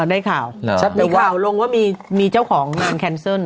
ได้ข่าวชัดมีข่าวลงว่ามีเจ้าของงานแคนเซิล